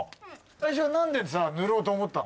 最初はなんでさ塗ろうと思ったの？